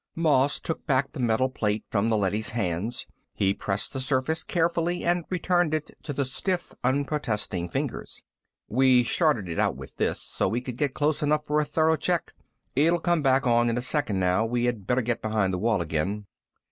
Moss took back the metal plate from the leady's hands. He pressed the surface carefully and returned it to the stiff, unprotesting fingers. "We shorted it out with this, so we could get close enough for a thorough check. It'll come back on in a second now. We had better get behind the wall again."